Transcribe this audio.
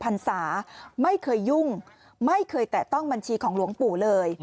ท่านเองบวชมา๑๔พันศาไม่เคยยุ่งไม่เคยแตะต้องบัญชีของหลวงปู่เลย